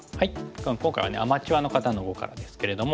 今回はアマチュアの方の碁からですけれども。